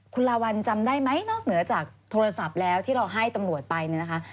คุณลาวัลจำได้ไหมนอกเหนือจากโทรศัพท์แล้วที่เราให้ตำรวจไปเนี่ยนะคะ